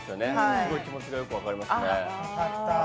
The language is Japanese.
すごく気持ちがよく分かりますね。